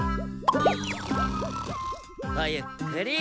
ごゆっくり。